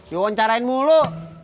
yuk wawancarain mulu